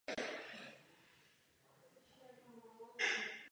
Tento efekt by ale neměl být hlavním předpokladem při jejím plánování.